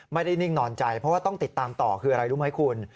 นิ่งนอนใจเพราะว่าต้องติดตามต่อคืออะไรรู้ไหมคุณ